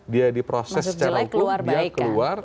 dia di proses secara hukum masuk jelek keluar baik kan dia keluar